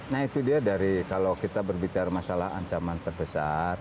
nah itu dia dari kalau kita berbicara masalah ancaman terbesar